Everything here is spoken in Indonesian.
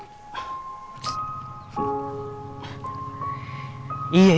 hidup itu membosankan kalau mudah ditebak